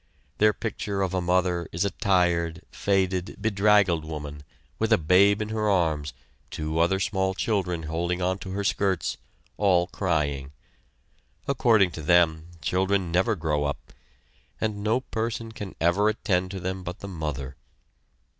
Their picture of a mother is a tired, faded, bedraggled woman, with a babe in her arms, two other small children holding to her skirts, all crying. According to them, children never grow up, and no person can ever attend to them but the mother.